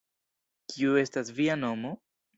Kiu estas via nomo?